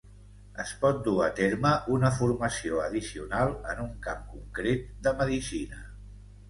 Es pot dur a terme una formació addicional en un camp concret de medicina.